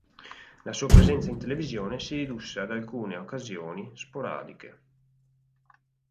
La sua presenza in televisione si ridusse ad alcune occasioni sporadiche.